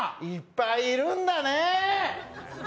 いっぱいいるんだね！